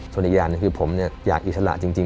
ส่วนอีกอย่างหนึ่งคือผมอยากอิสระจริง